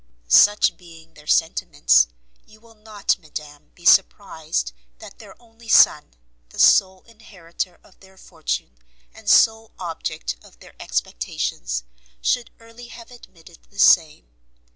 Such being their sentiments; you will not, madam, be surprised that their only son, the sole inheritor of their fortune, and sole object of their expectations, should early have admitted the same.